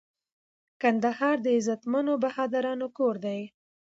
کندهار د غیرتمنو بهادرانو کور دي